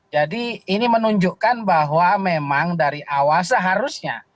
jadi ini menunjukkan bahwa memang dari awal seharusnya